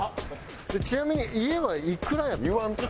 ちなみに家はいくらやった？